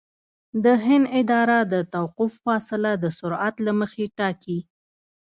د هند اداره د توقف فاصله د سرعت له مخې ټاکي